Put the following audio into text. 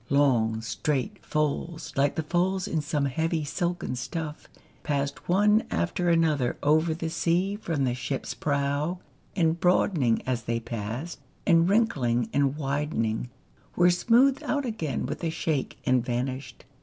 Long, straight folds, like the folds in some heavy silken stuff, passed one after another over the sea from the ship's prow, and broadening as they passed, and wrinkling and widening, were smoothed out again with a shake, and vanished.